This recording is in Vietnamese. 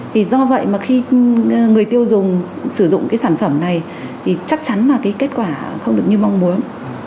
thì do vậy mà khi người tiêu dùng sử dụng cái sản phẩm này thì chắc chắn là cái kết quả không được như mong muốn